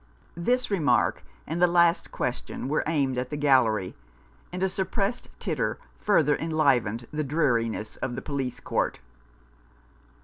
This remark and the last question were aimed at the gallery, and a suppressed titter further en livened the dreariness of the police court.